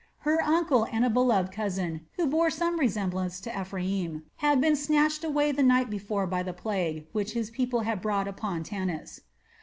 Her uncle and a beloved cousin who bore some resemblance to Ephraim had been snatched away the night before by the plague which his people had brought upon Tanis.